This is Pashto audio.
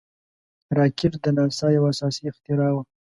راکټ د ناسا یو اساسي اختراع وه